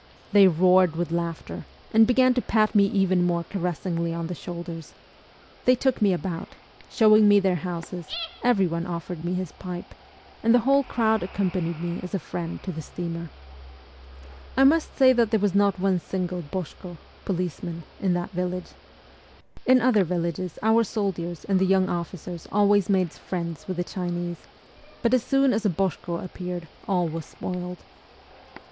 They roared with laughter, and began to pat me even more caressingly on the shoulders ; they took me about, showing me their houses, everyone offered me his pipe, and the whole crowd accompanied me as a friend to the steamer. I must say that there was not one single boshko (policeman) in that village. In other villages our soldiers and the young officers always made friends with the Chinese, but as soon as a boshko appeared 246 MEMOIRS OF A REVOLUTIONIST all was spoiled.